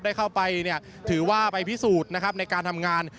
ได้เข้าไปถือว่าไปพิสูจน์นะครับในการทำงาน